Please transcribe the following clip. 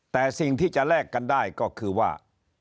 แต่สิ่งที่จะแลกกันได้ก็คือว่า